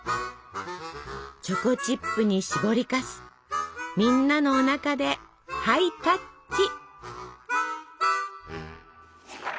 チョコチップにしぼりかすみんなのおなかでハイタッチ！